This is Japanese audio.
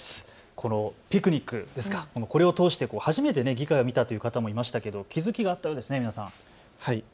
このピクニック、これを通して初めて議会を見たという方もいましたけれど気付きがあったようですね、皆さん。